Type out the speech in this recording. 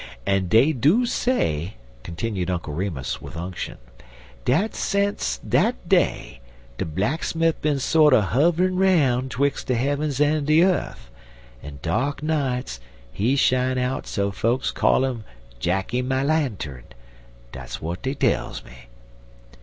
"En dey do say," continued Uncle Remus, with unction, "dat sense dat day de blacksmif bin sorter huv'rin' 'roun' 'twix' de heavens en de ye'th, en dark nights he shine out so fokes call 'im Jacky my lantern. Dat's w'at dey tells me.